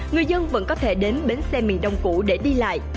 người dân vẫn có thể đến bến xe miền đông cũ để đi lại